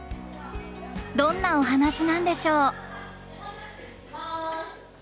どんなお話なんでしょう？